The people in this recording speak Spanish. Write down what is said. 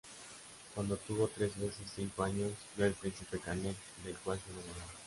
Cuando tuvo tres veces cinco años, vio al príncipe Canek del cual se enamoró.